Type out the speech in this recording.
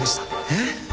えっ？